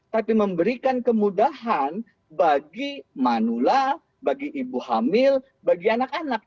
tapi memberikan kemudahan bagi manula bagi ibu hamil bagi anak anak